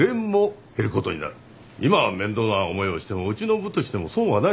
今面倒な思いをしてもうちの部としても損はないだろ。